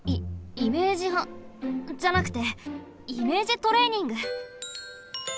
イメージハじゃなくてイメージトレーニング。